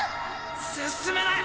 進めない！